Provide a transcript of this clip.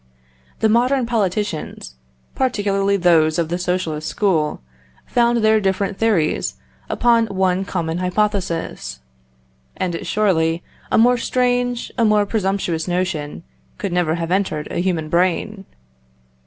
The modern politicians, particularly those of the Socialist school, found their different theories upon one common hypothesis; and surely a more strange, a more presumptuous notion, could never have entered a human brain.